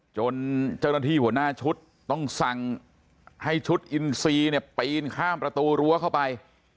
จนเจ้าหน้าที่หัวหน้าชุดต้องสั่งให้ชุดอินซีเนี่ยปีนข้ามประตูรั้วเข้าไป